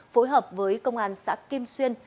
phối hợp với công an xã kim xuyên